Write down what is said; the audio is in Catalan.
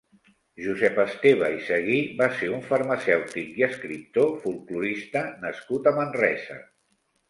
Josep Esteve i Seguí va ser un farmacèutic i escriptor folklorista nascut a Manresa.